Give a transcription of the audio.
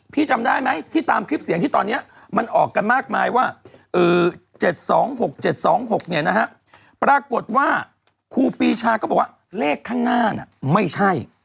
จำได้ไหมที่ตามคลิปเสียงที่ตอนนี้มันออกกันมากมายว่า๗๒๖๗๒๖ปรากฏว่าครูปีชาก็บอกว่าเลขข้างหน้าไม่ใช่